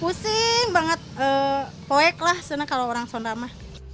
pusing banget poek lah sebenarnya kalau orang sonrama